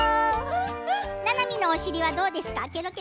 ななみのお尻はどうですか？